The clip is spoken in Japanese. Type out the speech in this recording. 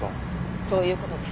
そういう事です。